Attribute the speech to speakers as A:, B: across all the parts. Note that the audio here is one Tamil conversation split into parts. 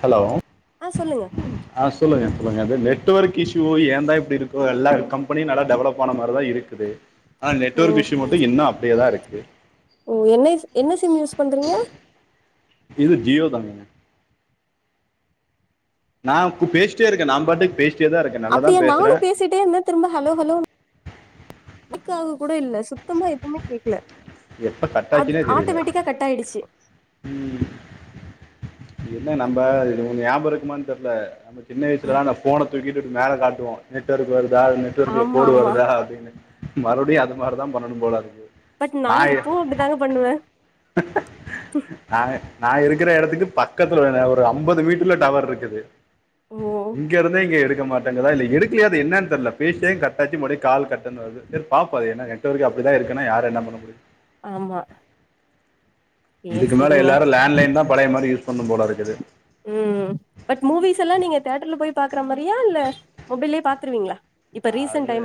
A: ஹலோ
B: ஆ சொல்லுங்க
A: ஆ சொல்லுங்க சொல்லுங்க அது நெட்வொர்க் இஷ்யூ ஏ தா இப்டி இருக்கோ எல்லா கம்பெனியு நல்லா டெவலப் ஆன மாரிதா இருக்கு க்குது ஆனா நெட்வொர்க்
B: ம்
A: இஷ்யூ மட்டு இன்னு அப்டியேதா இருக்கு
B: ஓ என்னாச்சு என்ன சிம் யூஸ் பண்றீங்க
A: இது ஜியோ தாங்க நா கு பேசிட்டே இருக்கே நாம்பாட்டுக்கு பேசிட்டே தா இருக்கே நல்லா தா பேசுறே
B: ப்ட்டே இருந்தே திரும்ப ஹலோ ஹலோன் வொர்க் ஆக கூட இல்ல சுத்தமா எதுமே கேக்கல
A: எப்ப கட்
B: அது
A: ஆச்சுனே தெரியல
B: ஆட்டோமேட்டிக்கா கட் ஆயிடுச்சு
A: ம், என்ன நம்ப இது ஒன்னு ஞாபக இருக்குமான் தெர்ல நம்ம சின்ன
B: ஆ
A: வயசுலலா அந்த ஃபோன்ன தூக்கிட்டு மேல காட்டுவோ நெட்வொர்க் வருதா நெட்வொர்க்ல
B: ஆமா
A: கோடு
B: ஆமா
A: வருதா அப்டின்னு மறுவ்டியு அது மாரி தா பண்ணணும் போல அதுக்கு
B: பட்
A: நா எ
B: இப்பவு அப்டிதாங்க பண்ணுவே
A: நா நா இருக்கிற எடத்துக்கு பக் க்கத்துல இங்குன ஒரு அம்பது மீட்ருல டவர் இருக்குது
B: ஓ
A: இங்கெருந்தே இங்க எடுக்க மாட்டேங்குதா இல்ல எடுக்லயா அது என்னன் தெர்ல பேசுனே கட்டாச்சு மறுவ்டியு கால் கட்டுன் வரு து சேரி பாப்போ அது என்ன நெட்வொர்க்கே அப்டிதா இருக்குனா யாரு என்ன பண்ண முடியு
B: ஆமா சேரி
A: இதுக்கு மேல
B: சேரிங்க
A: எல்லாரு லேண்ட்லைன் தா பழைய மாரி யூஸ் பண்ணும் போல இருக்குது
B: ம் பட் மூவிஸ் எல்லா நீங்க தேட்டர்ல போய் பாக்குற மாரியா இல்ல மொபைல்லயே பாத்துருவீங்ளா
A: அதுங்க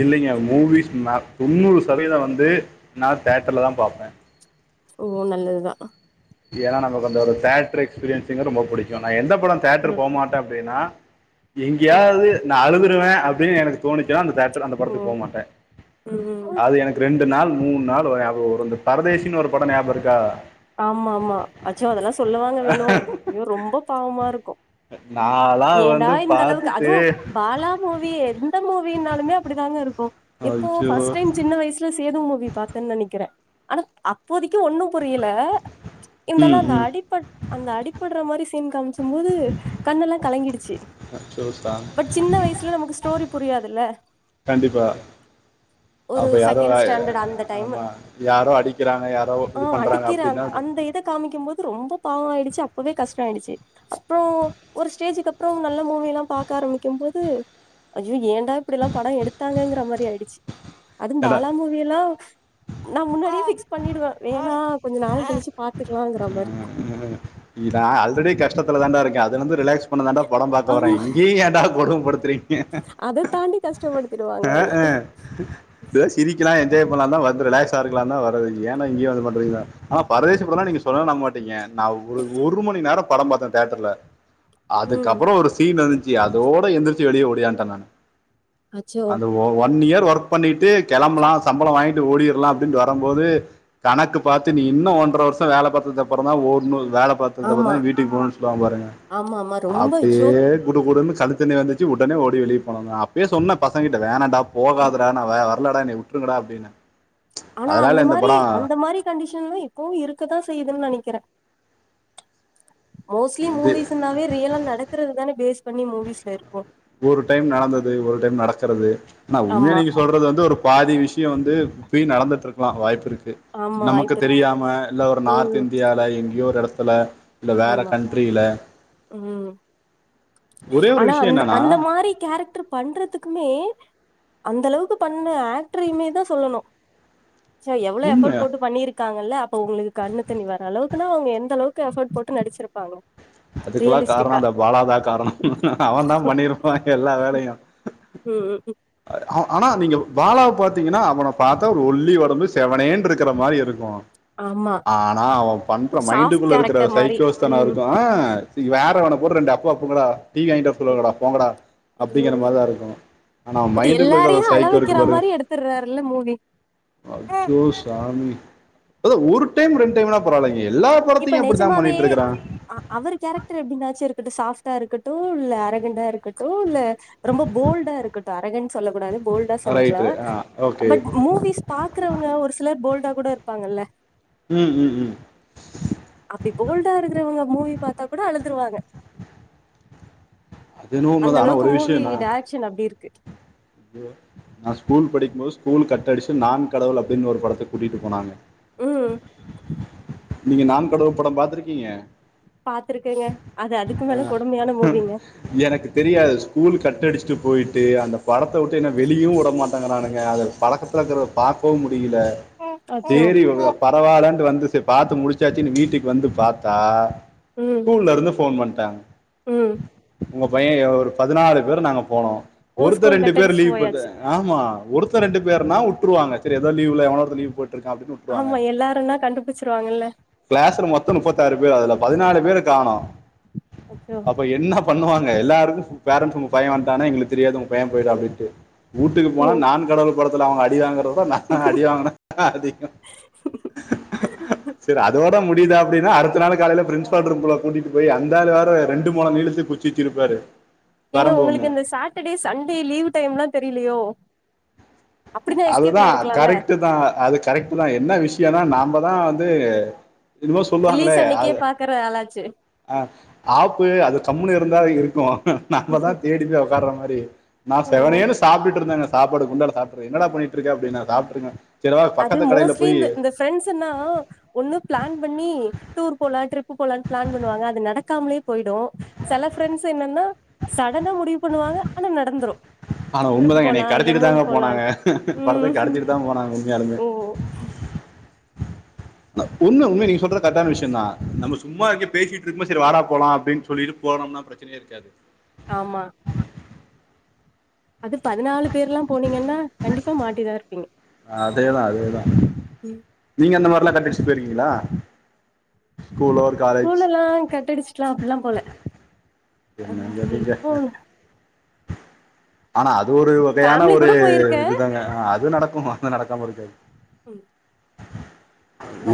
A: இல்லைங்க மூவிஸ் நா தொண்ணூறு சதவீத வந்து நா தேட்டர்ல தா பாப்பே
B: ஓ நல்லதுதா
A: ஏனா நமக்கு அந்த ஒரு தேட்ரு எக்ஸ்பீரியன்ஸுங்கிறது ரொம்ப புடிக்கு நா எந்த பட தேட்ரு
B: ம்
A: போமாட்டே அப்டினா
B: ம்
A: எங்கயாவ்து நா அழுதுருவே அப்டின்னு எனக்கு தோணுச்சுனா அந்த தேட்ரு அந்த படத்துக்கு போமாட்டே
B: ம் ம்
A: ரெண்டு நாள் மூணு நாள் வர ஞாபக வரு இந்த பரதேசின்னு ஒரு பட ஞாபக இருக்கா
B: ஆமா ஆமா அச்சோ அதெல்லா சொல்லுவாங்க வேணு ஐயோ ரொம்ப பாவமா இருக்கு
A: நா
B: ஏன்டா இந்த அளவுக்கு அதுவு பாலா மூவி எந்த மூவினாலுமே அப்டித்தாங்க இருக்கு இப்போ
A: அச்சோ
B: ஃபஸ்ட் டைம் சின்ன வயசு ல சேது மூவி பாத்தேன்னு நெனைக்கிறே ஆனா அப்போதைக்கு ஒன்னு புரியல இந்தாலு
A: ம்
B: அந்த
A: ம்
B: அடிப்பட் அந்த அடிபட்ற மாரி சீன் காமி க்குபோது கண்ண எல்லா கலங்கிடிச்சி
A: ஜூஸ்ஸா
B: பட் சின்ன வயசுல நமக்கு ஸ்டோரி புரியாதுல்ல
A: கண்டிப்பா
B: ஒரு
A: அப்ப யாரோ
B: செகண்ட் ஸ்டாண்டர்ட் அந்த டைம்
A: ஆமா யாரோ அடிக்கிறாங்க யாரோ
B: ஆ
A: இது பண்றாங்க அப்
B: அடிக்கிற அந்த இத காமிக்கும்போது ரொம்ப பாவோ ஆய்டுச்சி அப்பவே கஷ்டோ ஆய்டுச்சி அப்றோ ஒரு ஸ்டேஜ்ஜிக்கு அப்றோ நல்ல மூவி எல்லா பாக்க ஆரம்பிக்கு போது ஐயோ ஏண்டா இப்டில்லா படோ எடுத்தாங்கங்ற மாரி ஆய்டுச்சி அதுவு
A: ஏன்டா
B: பாலா மூவி இப்டி எல்லா நா முன்னாடியே பிக்ஸ் பண்ணிடுவே வேணா கொஞ்சோ நாள் கழிச்சி பாத்துக்லாங்ற மாரி
A: ம் இதுலநா ஆல்ரெடி கஷ்டத்துல தாண்டா இருக்கே அதுல இருந்து ரிலாக்ஸ் பண்ண தாண்ட படோ பாக்க வரே
B: ஆமா
A: இங்கேயு ஏன்டா கொடும படுத்துறீங்க
B: அத தாண்டி கஷ்டப்படுத்திடுவாங்க அவங்க
A: அஅ ஏதோ சிரிக்லா என்ஜாய் பண்லாதா வந்து ரிலாக்ஸ்ஸா இருக்கலாதா வரது ஏன்டா இங்கேயு வந்து இது பண்றீங்ன்னா ஆனா பரதேசி படோல்லா நீங்க சொன்ன நம்ப மாட்டீங்க நா ஒரு ஒரு மணி நேரோ படோ பாத்தே தேட்டர்ல
B: ம்
A: அதுக்கப்றோ ஒரு சீன் வந்துச்சி அதோட எந்திரிச்சி வெளியே ஓடியான்ட்டே நானு
B: அச்சோ
A: அந்த ஒன் இயர் ஒர்க் பண்ணிட்டு கெளம்பலா சம்பளோ வாங்கி ட் ஓடிற்லா அப்டின்ட்டு வரம்போது கணக்கு பாத்து நீ இன்னு ஒன்ர வர்ஷோ வேல பாத்ததுக்கு அப்றோதா ஓடணு வேல பாத்ததுக்கு அப்றோதா
B: ஆமா
A: வீட்டுக்கு போகணுணு சொல்லுவாங்க பாருங்க
B: ஆமா ஆமா ரொம்ப அச்சோ
A: அப்டியே குடு குடுணு கண்ணுதண்ணி வந்துச்சு உடனே ஓடி வெளிய போனவதா அப்பியே சொன்ன பசங்கிட்ட வேணாண்டா போகாதட நா வர்லடா என்னய விட்டுருங்கடா அப்டின்ன
B: ஆனா அந்த மாரி அந்த மாரி கண்டிஷன்ல்லா இப்பவு இருக்கதா செய்யுதுன் நெனைக்கிறே மோஸ்லி
A: இது
B: மூவிஸ்ன்னாவே ரியலா நடக்றது தான பேஸ் பண்ணி மூவிஸ்ல இருக்கு
A: ஒரு டைம் நடந்தது ஒரு டைம் நடக்றது ஆனா உண்மய
B: ஆமா
A: நீங்க சொல்றது வந்து ஒரு பாதி விஷ்யோ வந்து இப்பியு நடந்துட்டுருக்லா வாய்ப்பு இருக்கு
B: ஆமா
A: நமக்கு
B: வாய்ப்பு இருக்கு
A: தெரியாம இல்ல ஒரு நார்த்
B: ம்
A: இந்தியால எங்கியோ ஒரு எடத்துல
B: ஆமா ம்
A: ஒரே ஒரு
B: ஆனா
A: விஷயம்
B: அந்த
A: என்னன்னா
B: அந்த மா ரி கேரக்டர் பண்றதுக்குமே அந்த அளவுக்கு பண்ண ஆக்ட்ருயுமேதா சொல்லணு ச்சே எவ்ளோ எஃபர்ட்
A: உண்மை
B: போட்டு பண்ணிருக்காங்கல்ல அப்ப உங்ளுக்கு கண்ணு தண்ணி வர அளவுக்குனா அவுங்க எந்தளவுக்கு எஃபர்ட் போட்டு நடிச்சிருப்பாங்க
A: அதுகுல்லா காரணோ
B: ரியலிஸ்டிக்கா
A: அந்த பாலாதா காரணோ அவதா பண்ணிருப்பா எல்லா வேலையு
B: ம் ம் ம்
A: ஆனா நீங்க பாலாவ பாத்திங்கன்னா அவன பாத்தா ஒரு ஒல்லி ஒடம்பு செவனேன்னு இருக்ற மாரி இருக்கு
B: ஆமா
A: ஆனா அவ பண்ற
B: சாஃப்ட்
A: மைண்டுக்குள்ள இருக்ற
B: கேரக்டர் மாரி
A: சைக்கோஸ்தனோ
B: ம்
A: இருக்குல வேற வன போட்டு ரெண்டு அப்பு அப்புங்கடா டீ வாய்ட்டு வர சொல்லுங்கடா போங்கடா அப்டிங்கிற
B: ம்
A: மாரிதா இருக்கு ஆனா அவ
B: பட்
A: மைண்டுக்குள்ள இருக்க
B: எல்லாரையு
A: ஒரு
B: அழ
A: சைக்க கோ இருக்கு
B: வைக்கிற
A: பாருங்க
B: மாரி எடுத்துடுறாருல்ல மூவி
A: அஜ்ஜோ சாமி அத ஒரு டைம் ரெண்டு டைம்னா பரலவாலைங்க எல்லா
B: இப்ப
A: படத்தையு அப்டித்தா
B: நெஜமாவே
A: பண்ணிட்டு இருக்குறா
B: அ அவர் கேரக்டர் எப்டின்னாச்சு இருக்கட்டு சாஃப்டா இருக்கட்டு இல்ல அரகண்டா இருக்கட்டு இல்ல ரொம்ப போல்டா இருக்கட்டு அரகண்ட் சொல்லக் கூடாது போல்டா சொல்லிக்கலா
A: ரைட்டு ஆ ஓகே
B: பட் மூவிஸ் பாக்குறவுங்க ஒரு சிலர் போல்டா கூட இருப்பாங்கல்ல
A: ம் ம் ம்
B: அப்டி போல்டா இருக்கிறவுங்க மூவி பாத்தா கூட அழுதுருவாங்க
A: அது என்னவோ
B: அந்த
A: உண்மதா ஆனா
B: அளவுக்கு
A: ஒரு விஷயோ
B: மூவி டைரக்ஷன் அப்டி இருக்கு
A: ம் நா ஸ்கூல் படிக்குபோது ஸ்கூல் கட் அடிச்சு நான் கடவுள் அப்டின்னு ஒரு படத்துக்கு கூட்டுட்டு போனாங்க
B: ம்
A: நீங்க நான் கடவுள் பட பாத்திருக்கீங்க
B: பாத்துருக்கேங்க அது அதுக்கு
A: ஆ
B: மேல கொடுமையான மூவிங்க
A: எனக்கு தெரியாது ஸ்கூல் கட்டடிச்சுட்டு போயிட்டு அந்த படத்த விட்டு என்ன வெளியு விடமாட்டேகிறானுங்க அதது பழக்கத்தில இருக்கிறத பாக்கவு முடியல
B: அச்சோ
A: சேரி ஒருத பரவால்லட்டு வந்து சே பாத்து முடிச்சாச்சின் வீட்டுக்கு வந்து பாத்தா
B: ம்
A: ஸ்கூல்ல இருந்து ஃபோன் பண்ணிட்டாங்க
B: ம்
A: உங்க பையே ஒரு பதினாறு பேர் நாங்க போனோ
B: ஓ
A: ஒருத்தர்
B: ஸ்கூல்
A: ரெண்டு
B: கட்
A: பேர்
B: அடிச்சுட்டு
A: லீவ் போட்ட
B: போயாச்சு
A: ஆ ஆமா ஒருத்த ரெண்டு பேர்னா வுட்ருவாங்க செரி ஏதோ லீவ்ல எவனோ ஓருத்தே லீவு போட்ருக்கா அப்டினு வுட்
B: ஆமா எல்லாருனா கண்டுபிடிச்சிருவாங்கல்ல
A: கிளாஸ்ல மொத்தோ முப்பத்தாறு பேர் அதுல பதினாலு பேரு காணோ
B: அச்சோ
A: இப்ப என்ன பண்ணுவாங்க எல்லாருக்கு ஃப் பேரண்ட்ஸ் உங்க பையே வந்ட்டான எங்களுக்கு தெரியாது உங்க பையே போயிடா அப்டின்ட்டு வீட்டுக்கு
B: ஓ
A: போனா நான் கடவுள் படத்துல அவுங்க அடி வாாங்குற வுட நா அடி வாங்கினே அதிகோ செரி அதோட முடியுதா அப்டினா அடுத்த நாளு காலேல பிரின்சிப்பால் ரூம்குள்ள கூட்டிட்டு போய் அந்த ஆளு வேற ரெண்டு மொழ நீளத்துக்கு குச் சி வச்சிருப்பாரு
B: ஏங்க
A: வரம்பு ஒன்று
B: உங்களுக்கு இந்த சாட்டர்டே சன்டே லீவ் டைம்ல்லா தெரியலயோ
A: அதுதா கரெக்ட்டு தா அது கரெக்ட் தா என்ன விஷயொனா நாம்ப தா வந்து இதுமோ
B: ரிலீஸ்
A: சொல்லுவாங்களே
B: அன்னைக்கே
A: அது
B: பாக்குற ஆளாச்சே
A: அ ஆப்பு அது கம்முனு இருந்தா இருக்கு நம்மதா தேடிப்போய் ஒக்கார்ற மாரி நா
B: ஓ
A: செவனேன்னு சாப்ட்டு இருந்தேங்க சாப்பாடு குண்டால சாப்ட்ரு என்னடா பண்ணிட்டு இருக்க அப்டினா சாப்ட்டு இருக்கே செரி வா பக்கத்து கடேல போயி
B: ஃபிரண்ட்ஸுன்னா ஒன்னு பிளான் பண்ணி டூர் போலா ட்ரிப்பு போலானு பிளான் பண்ணுவாங்க அது நட க்காமலே போயிடு செல ஃப்ரெண்ட்ஸ் என்னன்னா சடனா முடிவு பண்ணுவாங்க ஆனா நடந்துரு
A: ஆனா
B: ட்ரிப்
A: உண்மதாங்க என்னை
B: போலா இல்ல
A: கடத்தீட்டு
B: மூவி
A: தாங்க போனாங்க
B: போலான்ட்டு
A: படத்துக்கு
B: ம்
A: கடத்த கடத்தீட்டு தா போனாங்க உண்மையா
B: ஓ
A: ங்க உண்ம உண்ம நீங்க சொல்றது கரெக்ட்டான விஷய தா நம்ம சும்மா எங்கே பேசிட்டு இருக்கு போது செரி வாடா போலா அப்டின்னு சொல்லிட்டு போனோம்னா பிரெ ச்சனயே இருக்காது
B: ஆமா அது பதினாலு பேர் ல்லா போனீங்கன்னா கண்டிப்பா மாட்டிதா இருப்பீங்க
A: அதே தா அதே தா நீங்க அந்த மாரிலா கட்டடிச்சுட்டு போயிருக்கீங்களா ஸ்கூலோ காலேஜ்
B: ஸ்கூலெல்லா கட்டடிச்சுட்லா அப்டிலா போல அ
A: என்னங்க நீங்க
B: இப்போ
A: ஆனா அது ஒரு வகையான
B: ஃபேமிலி
A: ஒரு
B: கூட போயிருக்கே
A: இதுதாங்க அது நடக்கு அது நடக்காம இருக்காது
B: ம்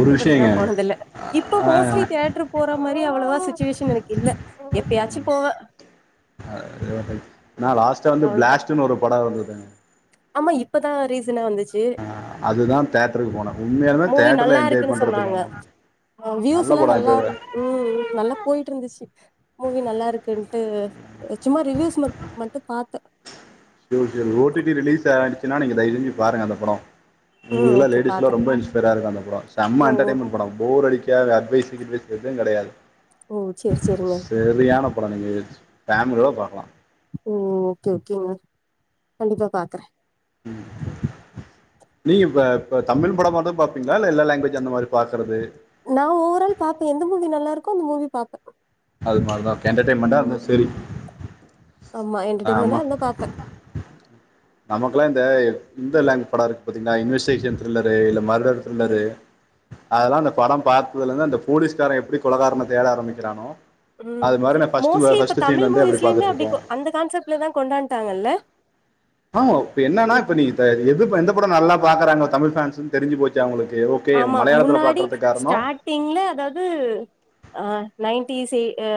A: ஒரு விஷயங்க
B: போனதில்ல இப்போ
A: ஆ,
B: மோஸ்லி தேட்ரு போறமாரி அவுளவா சிச்சுவேஷன் எனக்கில்ல எப்பயாச்சு போவ
A: ஆ எனக் நா லாஸ்ட்டா வந்து
B: அவ்ளோதா
A: பிளாஸ்ட்டுன் ஒரு படோ வந்துத
B: ஆமா இப்பதா ரீசனா வந்துச்
A: ஆ அதுதா தேட்ருக்கு போன உண்மையாலுமே தேட்ருல என்ஜாய் பண்றதுல நானு
B: ஆ வியூஸுலா நல்லா ம் நல்லா போய்ட்ருந்துச்சு மூவி நல்லா இருக்குன்ட்டு அ சும்மா ரிவியூஸ் மட் மட்டு பாத்த
A: சேரி okay O T B release ஆய்டுச்சுனா நீங்க தைசெஞ்சு பாருங்க அந்த படோ
B: ம்
A: உங்ளுக்குலா
B: ஓகே
A: லேடிஸ்லா
B: பாக்குறே
A: ரொம்ப இன்ஸ் டெடா இருக்கு அந்த படோ சம்ம
B: ஓ ஓ
A: என்டர்டெய்ன்மெண்ட் படோ போர் அடிக்காது அட்வைஸு கிட்வைஸ் எது கெடையாது
B: ஓ சேர் சேரிங்க
A: செரியான படோ நீங்க ஃபேமிலியோ பாக்லா
B: ஓ ஓகே ஓகேங்க கண்டிப்பா பாக்குறே
A: ம் நீங்க இப்ப இப்ப தமிழ் படமாதா பாப்பீங்ளா இல்ல எல்லா லாங்வேஜ் அந்த மாரி பாக்கறது
B: நான் ஓவரால் பாப்பே எந்த மூவி நல்லா இருக்கோ அந்த மூவி பாப்ப
A: அது மாரிதா என்டர்டெய்ன்மென்ட்டா இருந்தா சேரி
B: ஆமா என்டர்ட்டெய்மென்டா இர்ந்தா பாப்ப
A: நமக்குலா இந்த இந்த லேங் படோ இருக் பாத்தீங்ளா இன்வெஸ்டேஷன் த்ரில்லரு இல்ல மர்டர் த்ரில்லரு அதுலா அந்த படோ பாத்ததுல இருந்து அந்த போலீஸ்காரே எப்டி கொலகாருன தேட ஆரமிக்கிறானோ
B: ம் மோஸ்ட்லி இப்ப தமிழ்
A: அப்படி
B: மூவிஸ்லயுமே
A: பார்த்துட்டு
B: அப்டி
A: இருக்கோம்
B: கொ அந்த கான்செப்ட்லதா கொண்டான்டாங்கல்ல
A: ஆமா இப்ப என்னனா இப்ப நீ இப்ப எதுப்ப எந்த படோ நல்லா பாக்குறாங்க தமிழ் ஃபேன்ஸுன் தெரிஞ்சு போச்சு அவுங்குளுக்கு எதோ தே மலையாளத்துல பாக்கரதுக் காருணோ
B: நீங்ளே அதாவ்து ஆ நைன்டீஸே ஆ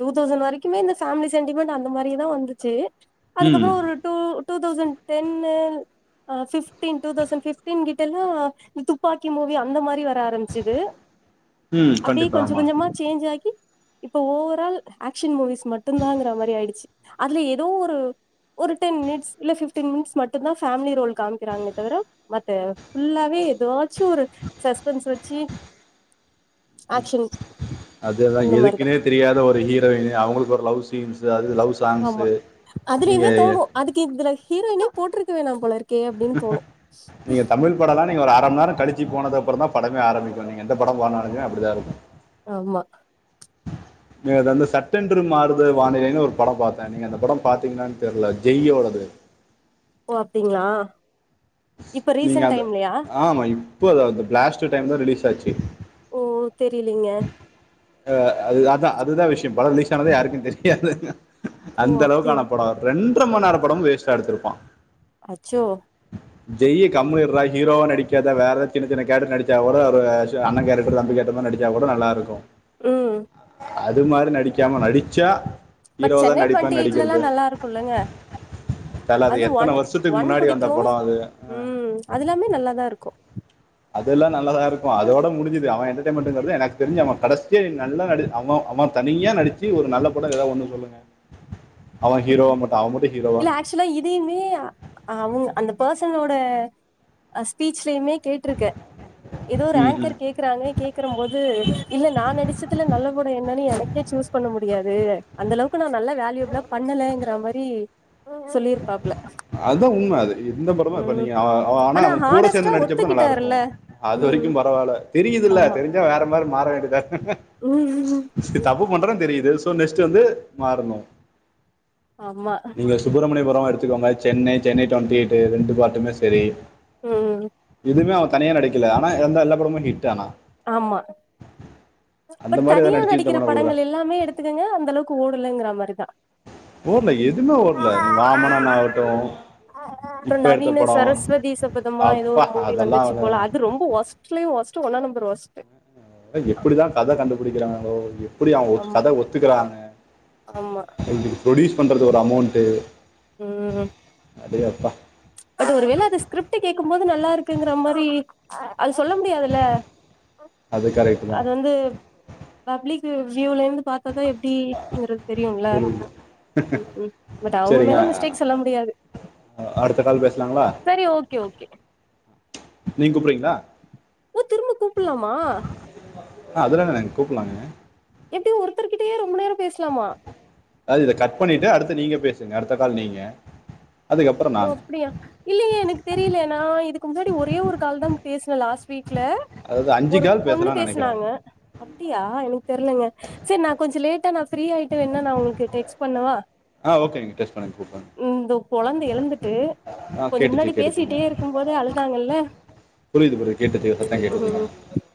B: தூதௌசண் வரைக்குமே இந்த ஃபேம்லி சென்டிமெண்ட் அந்த மாதிரிதா வந்துச்சு
A: ம்
B: அதுக்கப்புறோ ஒரு ட்டூ டூதௌசண் டென்னு அ ஃபிஃப்ட்டீன் டூதௌசண் ஃபிஃப்ட்டீன் கிட்டெல்லா இந் துப்பாக்கி மூவி அந்த மாரி வர ஆரமிச்சது
A: ம்
B: அப்டி
A: கண்டிப்பா
B: கொஞ்சு
A: ஆமா
B: கொஞ்சமா சேஞ்சாகி இப்போ ஓவரால் ஆக்ஷன் மூவிஸ் மட்டுந்தாங்குற மாரி ஆய்டுச்சு அதுல எதோ ஒரு ஒரு டென் மினிட்ஸ் இல்ல ஃபிப்டீன் மினிட்ஸ் மட்டுந்தா ஃபேம்லி ரோல் காமிக்குறாங்ளே தவிர மத்த ஃபுல்லாவே எதாச்சு ஒரு சஸ்பென்ஸ் வச்சு ஆக்ஷன்ஸ்
A: அதுதான்
B: அந்த மாரிதா
A: எதுக்குன்னே தெரியாத ஒரு ஹீரோயினு அவுங்குளுக் ஒரு லவ் சீன்ஸு அது லவ்ஸ்
B: ஆமா அதுலயுமே தோனு அதுக்கு இதுல ஹீரோயினே போட்ருக்க வேணா போல இரு
A: நீங்க தமிழ் படலா நீங்க ஒரு அரம் நேரோ கழிச்சி போனது அப்புறந்தா படமே ஆரமிக்கு நீங் எந்த படோ போனாலுமே அப்டிதா இருக்கு
B: ஆமா
A: நேத்து வந்து சட்டென்று மாறுதே வானிலைன்னு ஒரு படோ பாத்த நீங்க அந்த படோ பாத்தீங்குளான் தெர்ல ஜெய்யோடது
B: ஓ அப்டிங்ளா
A: நீங்க அந்த ஆமா இப்போ அது அந்த பிளாஸ்ட்டு டைம்தா ரிலீஸ் ஆச்சு
B: ஓ தெரிலியே
A: அ அது அதா அதுதா விஷ்யம் படோ ரிலீஸ் ஆனதே யாருக்கு தெரியாதுங்க
B: ஓ அப்டியா
A: அந்தளவுக்கான படோ ரெண்ட்றம நேர படமு வேஸ்ட்டா எடுத்துருப்பான்
B: அச்சோ
A: ஜெய்யி கம்முனு இர்றா ஹீரோவா நடிக்காத வேற எத் சின்ன சின்ன கேரக் நடிச்சவோட ஒரு சு அண்ண கேரக்டர் தம்பி கேரடக்லா நடி ச்சா கூட நல்லாருக்கு
B: ம்
A: அது மாரி நடிக்காம நடிச்சா
B: பட்
A: ஹீரோவா தான்
B: சென்னை ட்வெண்ட்டி
A: நடிப்பேன்னு
B: எயிட்லல்லா
A: நடிக்கிறது
B: நல்லா இருக்குல்லங்க
A: தல
B: அது ஒன்
A: எத்தன வருஷத்துக்கு
B: ஒன்
A: முன்னாடி வந்த
B: புடிக்கு
A: படம் அது
B: ம் அதுல்லாமே நல்லாதா இருக்கு
A: அதுல்லா நல்லாதா இருக்கு அதோட முடிஞ்சுது அவ என்ட்டர்டெயிமென்டுங்றது எனக் தெரிஞ் அவ கடசியா நல்ல நடுச் அவெ அவெ தனியா நடிச்சு ஒரு நல்ல படோ எதா ஒன்னு சொல்லுங்க அவ ஹீரோவா மட்டு அவ மட்டு ஹீரோவா
B: க்சுவ்லா இதயுமே அவுங்க அந்த பர்சனோட அ ஸ்பீச்லயுமே கேட்ருக்க எதோ ஒரு
A: ம் ம்
B: ஆங்கர் கேக் க்கறாங்க கேக்குறம் போது இல்ல நா நடிச்சதுல நல்ல படோ என்னன்னு எனக்கே சூஸ் பண்ண முடியாது அந்த அளவுக்கு நா நல்ல வேல்யூப்ளா பண்ணலங்கற மாரி சொல்லிருப்பாப்ல
A: அதா உண்ம அது எந்த படமா இப்ப
B: ம்
A: நீங்க ஆனா அவெ கூட
B: ஹானஸ்டா
A: சேந்து நடிச்ச கூட நல்லாருக்கு
B: ஒத்துக்கிட்டாருல்ல
A: அது
B: ம்
A: வரைக்கு பரவால்ல தெரியுதுல
B: ஆமா
A: தெரிஞ்சா வேற மாரி மாற வேண்டி தா
B: ம் ம்
A: தப்பு பண்றன் தெரியுது சோ நெஸ்ட்டு வந்து மாறனு
B: ஆமா
A: சுப்புரமணியபுரோ எடுத்துக்கோங்க சென்னை சென்னை ட்வெண்ட்டி எய்ட்டு ரெண்டு பார்ட்டுமே செரி
B: ம்
A: எதுமே அவ தனியா நடிக்கல ஆனா வந்த எல்லா படமோ ஹிட்டு ஆனா
B: ஆமா
A: அந்த
B: பட்
A: மாதிரி எதாவது
B: தனியா
A: நடிச்சிருந்த
B: நடிக்கிற
A: படம் ஓடுற
B: படங்கள் எல்லாமே எடுத் துக்கங்க அந்த அளவுக்கு ஓடலங்கிற மாரிதா
A: ஓட்ல எதுமே ஓட்ல நீ வாமனனா ஆவட்டு
B: அப்றோ நவீன சரஸ்வதி சபதமா எதோ
A: அப்பா
B: ஒரு மூவி
A: அதெல்லாம்
B: வந்துச்சு போல
A: அவங்க
B: அது ரொம்ப ஒஸ் ட்டல ஒஸ்ட்டு ஒன்னா நம்பர் ஒஸ்ட்டு
A: அது எப்டிதா கத கண்டுபிடிக்கிறாங்களோ எப்டி அவங் ஒ கத ஒத்துக்கறாங்க
B: ஆம்மா
A: இது ப்ரொடியூஸ் பண்றது ஒரு அமௌண்ட்டு
B: ம்
A: அடே அப்பா
B: பட் ஒரு வேள அது ஸ்கிரிப்ட் கேக்கும் போது நல்லாருக்குங்கற மாரி அது சொல்ல முடியாதுல்ல
A: அது கரெக்ட்
B: அது
A: தான்
B: வந்து பப்லிக் வி வியூலந்து பாத் தாதா எப்டிங்கிறது தெரியுல்ல
A: புரியுது.
B: ம் ம் பட் அவங்க
A: சரிங்க
B: மேல மிஸ்டேக் சொல்ல முடியாது
A: அ அடுத்த கால் பேசலாங்ளா
B: சரி ஓகே ஓகே
A: நீங் கூப்புறீங்ளா
B: ஓ திரும்ப கூப்புலாமா
A: ஆ அதுல என்னங்க கூப்புலாங்க
B: எப்டி ஒருத்தர்கிட்டையே ரொம்ப நேரோ பேசலாமா
A: அதாவ்து இத கட் பண்ணிட்டு அடுத்து நீங்க பேசுங்க அடுத்த கால் நீங்க அதுக்கப்புறம்
B: ஓ
A: நான்
B: அப்டியா இல்லியே எனக்கு தெரியல நா இதுக்கு முன்னாடி ஒரே ஒரு கால் தாங் பேசுனே லாஸ்ட் வீக்ல
A: அதாவது அஞ்சு
B: ஒருப்
A: கால்
B: பொண்ணு
A: பேசலாம்னு நினைக்கிறேன்
B: பேசனாங்க அப்டியா எனக்கு தெர்லங்க சேர் நா கொஞ்சொ லேட்டா நா ஃப்ரீயாயிட்டு வேணா நா உங்ளுக்கு டெக்ஸ் பண்ணவா
A: ஆ ஓகேங்க டெக்ஸ்ட் பண்ணிட்டு கூப்படுங்க
B: எழந்துட்டு கொஞ்சோ முன்னாடி பேசிட்டே இருக்கும்போதே அழுதாங்கல்ல
A: புரிது புரிது கேட்டுசிங்க சத்தோ கேட்டுசிங்க
B: ம்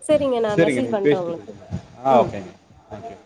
B: சரிங்க நா
A: சேரிங்க
B: மெசேஜ்
A: நீங்க
B: பண்றே
A: பேசிட்டு
B: உங்களுக்கு
A: கூப்டுங்க ஆ
B: ம்
A: ஓகேங்க தெங்க் யூ